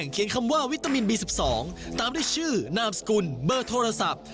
เขียนคำว่าวิตามินบี๑๒ตามด้วยชื่อนามสกุลเบอร์โทรศัพท์